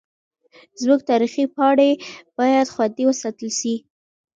زموږ تاریخي پاڼې باید خوندي وساتل سي.